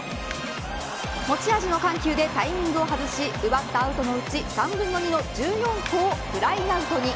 持ち味の緩急でタイミングを外し奪ったアウトのうち３分の２の１４個をフライアウトに。